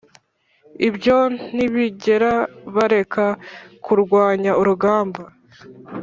ibyo ntibigera bareka kurwanya urugamba.